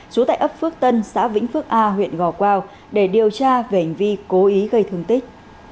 trú tại ấp phước tân xã vĩnh phước a huyện gò quao để điều tra về hành vi cố ý gây thương tích